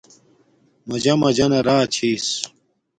مجݳ مَجَنݳ رݳ چھݵس.